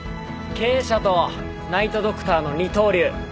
経営者とナイト・ドクターの二刀流。